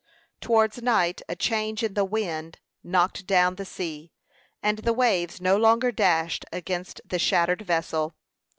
Towards night a change in the wind "knocked down" the sea, and the waves no longer dashed against the shattered vessel.